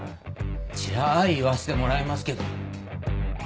じゃあ言わせてもらいますけど。